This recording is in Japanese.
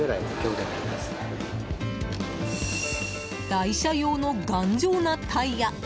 台車用の頑丈なタイヤ！